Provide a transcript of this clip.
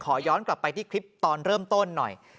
ย้อนกลับไปที่คลิปตอนเริ่มต้นหน่อย